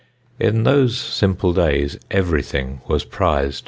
In those simple days everything was prized.